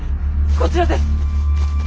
こちらです！